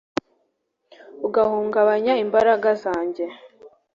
ugahungabanya imbaraga zanjye.